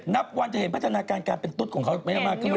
นับวันจะเห็นพัฒนาการการเป็นตุ๊ดของเขามากขึ้น